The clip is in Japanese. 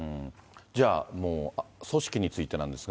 じゃあ、もう組織についてなんですが。